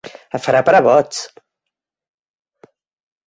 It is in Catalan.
Et farà parar boig!